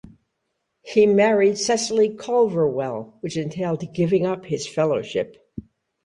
He married Cecily Culverwell, which entailed giving up his fellowship.